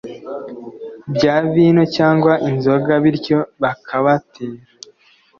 bya vino cyangwa inzoga bityo bakabatera